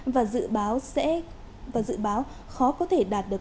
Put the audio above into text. và dự báo khó có thể đạt được